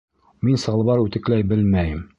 Мин салбар үтекләй белмәйем.